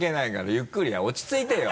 ゆっくりよ落ち着いてよ？